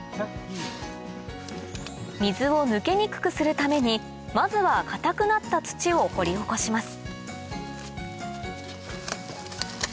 水を抜けにくくするためにまずは硬くなった土を掘り起こします